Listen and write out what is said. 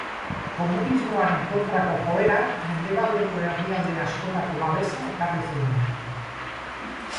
Komunismoaren kontrako joerak Mendebaldeko herrialde askotako babesa ekarri zion.